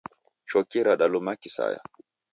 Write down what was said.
Choki radaluma kisaya.